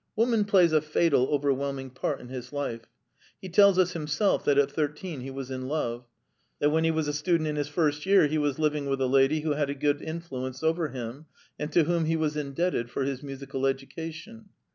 Woman plays a fatal, overwhelming part in his life. He tells us himself that at thirteen he was in love; that when he was a student in his first year he was living with a lady who had a good influence over him, and to whom he was indebted for his musical education.